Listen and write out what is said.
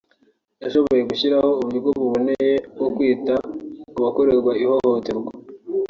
yashoboye gushyiraho uburyo buboneye bwo kwita ku bakorewe ihohoterwa